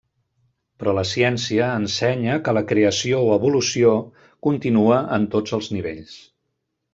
Però la ciència ensenya que la creació o evolució continua en tots els nivells.